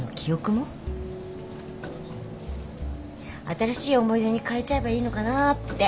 新しい思い出に変えちゃえばいいのかなって。